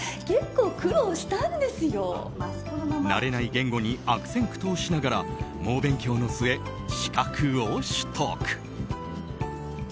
慣れない言語に悪戦苦闘しながら猛勉強の末、資格を取得。